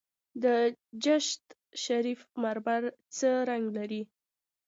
د چشت شریف مرمر څه رنګ لري؟